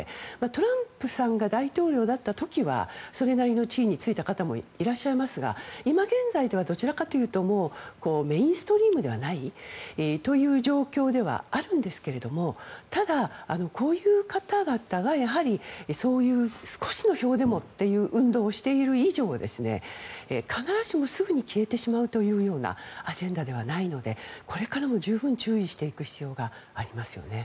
トランプさんが大統領だった時はそれなりの地位に就いた方もいらっしゃいますが今現在ではどちらかというとメインストリームではないという状況ではあるんですけれどもただ、こういう方々がそういう少しの票でも、という運動をしている以上必ずしもすぐに消えてしまうというようなアジェンダではないのでこれからも十分注意していく必要がありますよね。